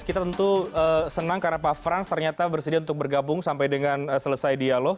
kita tentu senang karena pak frans ternyata bersedia untuk bergabung sampai dengan selesai dialog